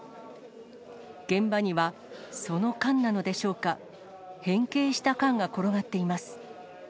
現場には、その缶なのでしょうか、変形した缶が転がっています。